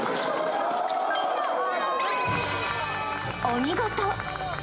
［お見事］